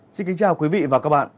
xin kính chào quý vị và các bạn